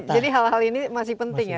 jadi hal hal ini masih penting ya